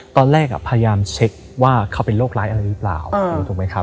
ตอนแรกพยายามเช็คว่าเขาเป็นโรคร้ายอะไรหรือเปล่า